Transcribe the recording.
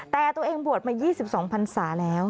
แต่ตัวเองบวชมา๒๒ภัณฑ์ศาสตร์แล้ว